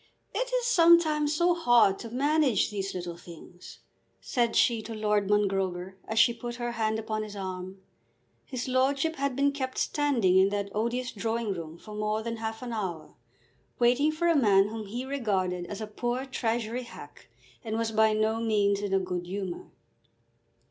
It is sometimes so hard to manage these "little things," said she to Lord Mongrober as she put her hand upon his arm. His lordship had been kept standing in that odious drawing room for more than half an hour waiting for a man whom he regarded as a poor Treasury hack, and was by no means in a good humour.